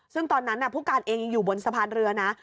ซึ่งตอนนั้นผู้การเองยังอยู่บนสะพานเรือนะ